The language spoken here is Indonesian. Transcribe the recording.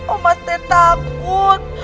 omas teh takut